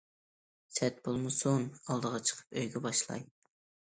« سەت بولمىسۇن، ئالدىغا چىقىپ ئۆيگە باشلاي».